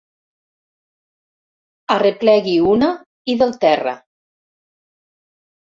Arreplegui una i del terra.